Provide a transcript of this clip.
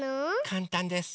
かんたんです。